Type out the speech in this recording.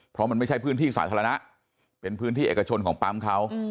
เพราะมันไม่ใช่พื้นที่สาธารณะเป็นพื้นที่เอกชนของปั๊มเขา